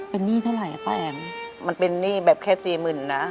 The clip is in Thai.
เป็นหนี้เท่าไหร่ป้าแอ๋มมันเป็นหนี้แบบแค่สี่หมื่นนะ